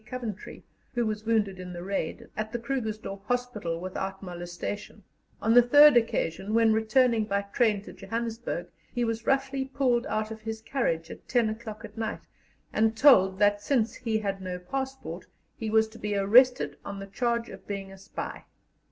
Coventry, who was wounded in the Raid, at the Krugersdorp Hospital without molestation, on the third occasion, when returning by train to Johannesburg, he was roughly pulled out of his carriage at ten o'clock at night, and told that, since he had no passport, he was to be arrested on the charge of being a spy.